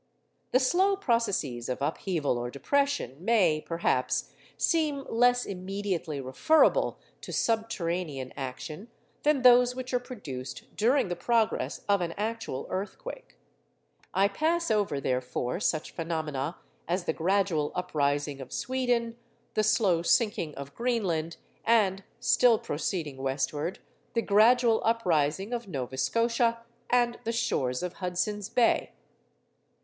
The slow processes of upheaval or depression may, perhaps, seem less immediately referable to subterranean action than those which are produced during the progress of an actual earthquake. I pass over, therefore, such phenomena as the gradual uprising of Sweden, the slow sinking of Greenland, and (still proceeding westward) the gradual uprising of Nova Scotia and the shores of Hudson's Bay.